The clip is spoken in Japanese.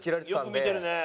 よく見てるね。